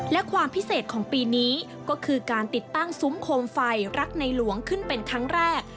และความพิเศษของปีนี้ก็คือการติดตั้งซุ้มโคมไฟรักในหลวงขึ้นเป็นครั้งแรก